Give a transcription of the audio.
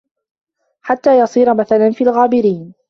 حَتَّى يَصِيرَ مَثَلًا فِي الْغَابِرِينَ